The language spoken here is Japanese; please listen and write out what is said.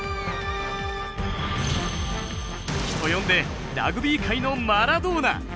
人呼んでラグビー界のマラドーナ！